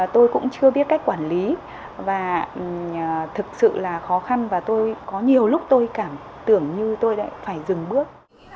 tôi cũng chưa biết cách quản lý và thực sự là khó khăn và tôi có nhiều lúc tôi cảm tưởng như tôi lại phải dừng bước